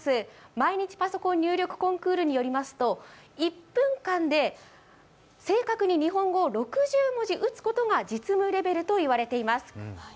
毎日パソコン入力コンクールによりますと１分間で正確に日本語を６０文字打つことが実務レベルと言われています。